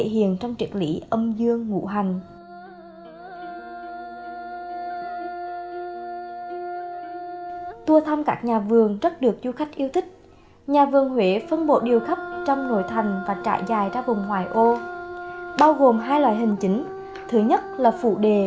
hãy đăng ký kênh để ủng hộ kênh của mình nhé